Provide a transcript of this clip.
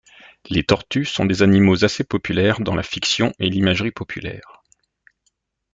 Les tortues sont des animaux assez populaires dans la fiction et l'imagerie populaire.